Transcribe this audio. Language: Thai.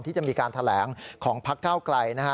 ที่จะมีการแถลงของพักษ์ก้าวกลาย